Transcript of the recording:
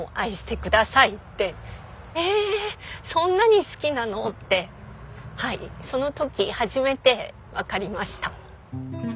ええそんなに好きなのってその時初めてわかりました。